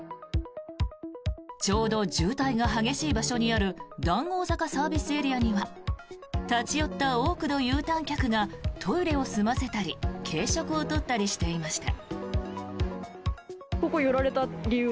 ちょうど渋滞が激しい場所にある談合坂ＳＡには立ち寄った多くのＵターン客がトイレを済ませたり軽食を取ったりしていました。